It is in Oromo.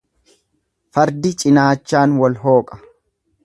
Fardi cinaachaan wal hooqa.